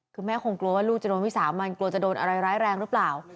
คือแม่คงกลัวว่าลูกจะโดนวิสามันกลัวจะโดนอะไรร้ายแรงหรือเปล่า